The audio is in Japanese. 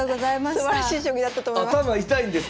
すばらしい将棋だったと思います。